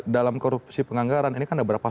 dalam korupsi penganggaran ini kan ada berapa